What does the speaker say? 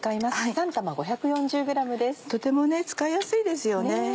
とても使いやすいですよね。